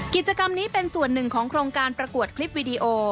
กิจกรรมนี้เป็นส่วนหนึ่งของโครงการประกวดคลิปวิดีโอ